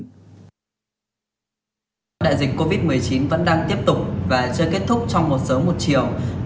vẫn đang tiếp tục và chưa kết thúc trong một sớm một chiều